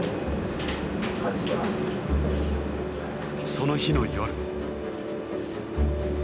その日の夜。